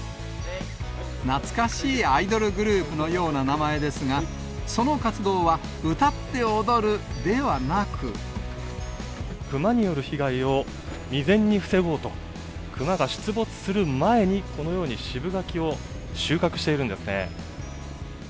懐かしいアイドルグループのような名前ですが、その活動は、熊による被害を未然に防ごうと、熊が出没する前に、このようにシブガキを収穫しているんですね。